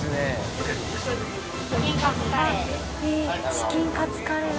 チキンカツカレーが。